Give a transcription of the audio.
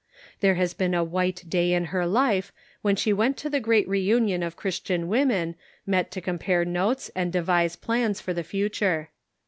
There has been a white day in her life when she went to the great reunion of Christian women, met to compare notes and devise plans for the future.